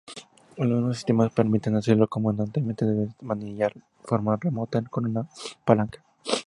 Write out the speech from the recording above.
Algunos sistemas permiten hacerlo cómodamente desde el manillar de forma remota con una palanca.